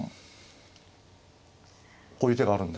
こういう手があるんですね。